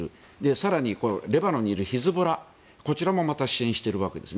更にレバノンにいるヒズボラこちらもまた支援しているわです。